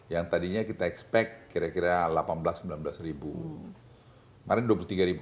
yang tadinya kita expect kira kira delapan belas sembilan belas ribu